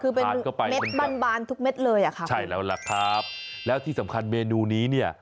คือเป็นเม็ดบานบานทุกเม็ดเลยอ่ะค่ะใช่แล้วล่ะครับแล้วที่สำคัญเมนูนี้เนี่ย